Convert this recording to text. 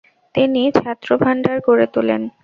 তিনি "ছাত্রভাণ্ডার" গড়ে তোলেন।